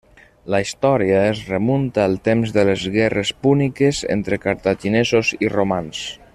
La història es remunta al temps de les Guerres púniques entre cartaginesos i romans.